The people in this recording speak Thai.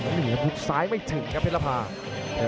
เหนือบุกซ้ายไม่ถึงครับเพลรภา